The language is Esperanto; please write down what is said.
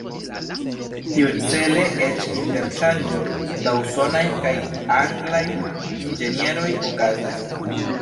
Tiucele eĉ interŝanĝo da usonaj kaj anglaj inĝenieroj okazis.